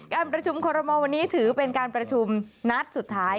การประชุมคอรมอลวันนี้ถือเป็นการประชุมนัดสุดท้าย